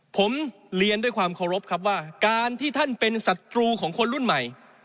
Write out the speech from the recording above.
ผมเรียนด้วยความเคารพครับว่าการที่ท่านเป็นศัตรูของคนรุ่นใหม่